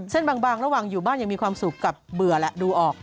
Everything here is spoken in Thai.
เส้นบางระหว่างอยู่บ้านยังมีความสุขกับเบื่อแหละดูออก